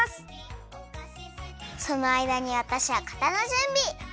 そのあいだにわたしはかたのじゅんび！